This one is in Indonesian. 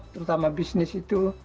terutama bisnis itu